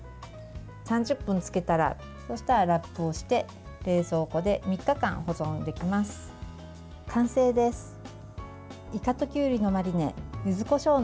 ３０分漬けたら、ラップをして冷蔵庫で３日間保存できます。